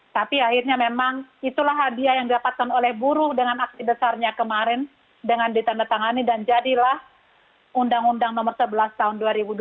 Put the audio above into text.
tapi akhirnya memang itulah hadiah yang didapatkan oleh buruh dengan aksi besarnya kemarin dengan ditandatangani dan jadilah undang undang nomor sebelas tahun dua ribu dua puluh